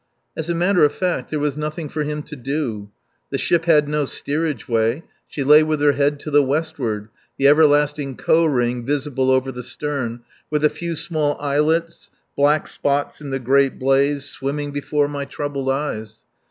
As a matter of fact, there was nothing for him to do. The ship had no steerage way. She lay with her head to the westward, the everlasting Koh ring visible over the stern, with a few small islets, black spots in the great blaze, swimming before my troubled eyes.